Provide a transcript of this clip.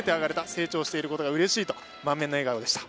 成長していることがうれしいと満面の笑顔でした。